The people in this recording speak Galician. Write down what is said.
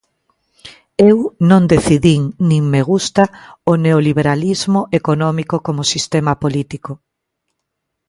Eu non decidín, nin me gusta, o neoliberalismo económico como sistema político.